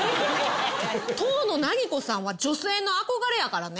遠野なぎこさんは女性の憧れやからね。